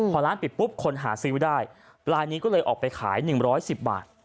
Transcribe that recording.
พอร้านปิดปุ๊บคนหาซื้อได้ลายนี้ก็เลยออกไปขาย๑๑๐บาท